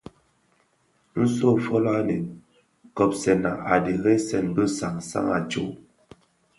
Nso folō anèn, kobsèna a dheresèn bi sansan a tsok.